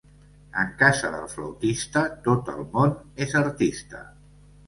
En casa del flautista tot el món és artista.